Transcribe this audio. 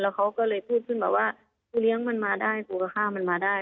เขาก็เลยพูดขึ้นมาว่ากูเลี้ยงมันมาได้กูก็ข้ามมันมาได้